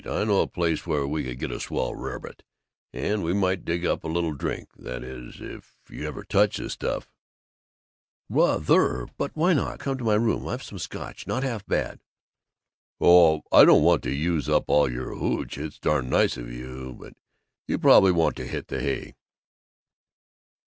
I know a place where we could get a swell rarebit, and we might dig up a little drink that is, if you ever touch the stuff." "Rather! But why don't you come to my room? I've some Scotch not half bad." "Oh, I don't want to use up all your hootch. It's darn nice of you, but You probably want to hit the hay."